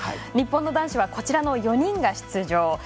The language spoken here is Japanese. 日本の男子はこちらの４人が出場。